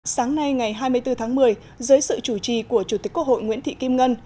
sáng nay ngày hai mươi bốn tháng một mươi dưới sự chủ trì của chủ tịch quốc hội nguyễn thị kim ngân